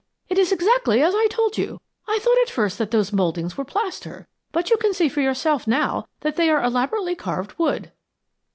"It is exactly as I told you. I thought at first that those mouldings were plaster, but you can see for yourself now that they are elaborately carved wood."